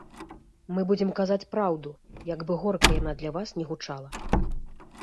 Мы будзем казаць праўду, як бы горка яна для вас ні гучала.